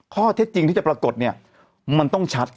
ข้อเท็จจริงที่จะปรากฏเนี่ยมันต้องชัด